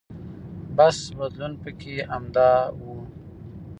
بس بدلون پکې همدا و.